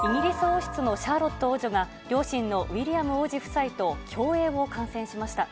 イギリス王室のシャーロット王女が両親のウィリアム王子夫妻と競泳を観戦しました。